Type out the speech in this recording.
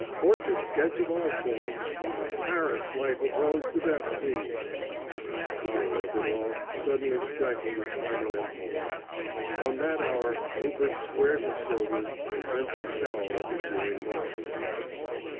"Portrait sketch of Osborne"; "Paris Life of Rose de Bercy"; the horror of it all suddenly stifled his finer impulses: from that hour Rupert squared his shoulders and meant to scowl at the jeering multitude.